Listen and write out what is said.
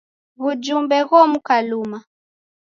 W'ujumbe ghomuka luma.